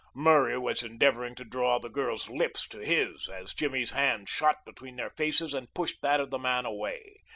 Murray was endeavoring to draw the girl's lips to his as Jimmy's hand shot between their faces and pushed that of the man away.